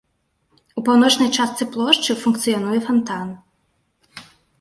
У паўночнай частцы плошчы функцыянуе фантан.